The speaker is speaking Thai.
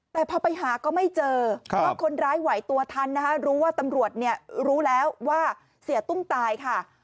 แต่พอไปหาก็ไม่เจอเพราะคนร้ายไหวตัวทันนะคะรู้ว่าตำรวจเนี่ยรู้แล้วว่าเสียตุ้มตายค่ะ